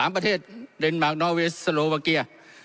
ประเทศเดนมาร์คนอเวสโลวาเกีย